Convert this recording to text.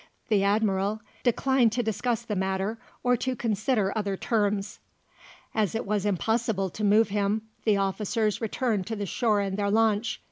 The Admiral declined to discuss the matter or to consider other terms. As it was impossible to move him, the officers returned to the shore in their launch.